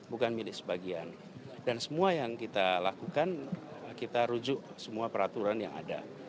bukan milik sebagian dan semua yang kita lakukan kita rujuk semua peraturan yang ada